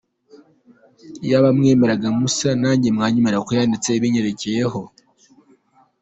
Iyaba mwemeraga Musa, nanjye mwanyemeye kuko yanditse ibinyerekeyeho.